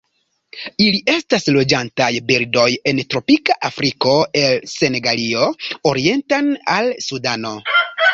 Ili estas loĝantaj birdoj en tropika Afriko el Senegalio orienten al Sudano.